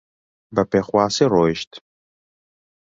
بە پێخواسی ڕۆیشت